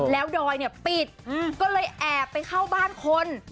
แล้วดอยเนี่ยปิดก็เลยแอบไปเข้าบ้านคน